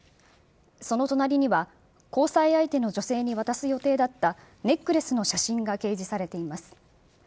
その隣には、交際相手の女性に渡す予定だったネックレスの写真が掲示されています。